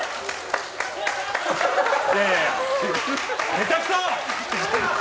下手くそ！